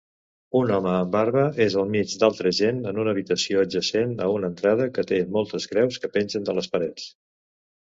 Un home amb barba és al mig d'altra gent en una habitació adjacent a una entrada que té moltes creus que pengen de les parets